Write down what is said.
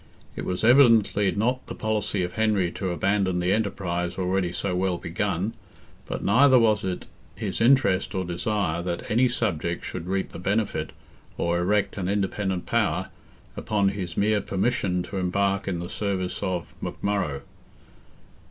It was evidently not the policy of Henry to abandon the enterprise already so well begun, but neither was it his interest or desire that any subject should reap the benefit, or erect an independent power, upon his mere permission to embark in the service of McMurrogh.